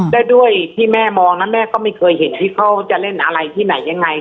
และด้วยที่แม่มองนั้นแม่ก็ไม่เคยเห็นที่เขาจะเล่นอะไรที่ไหนยังไง